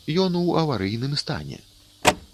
Ён у аварыйным стане.